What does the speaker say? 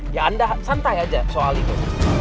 ya anda santai aja soal itu